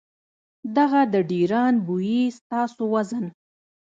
دغه د ډېران بوئي ستاسو وزن ،